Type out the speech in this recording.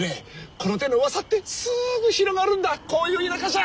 この手のうわさってすぐ広まるんだこういう田舎じゃ。